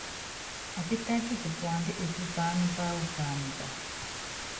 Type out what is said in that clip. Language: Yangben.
Apítákiti puandá epú paáná páwɔ kaánipa.